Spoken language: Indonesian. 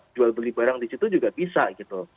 jual beli barang di situ juga bisa gitu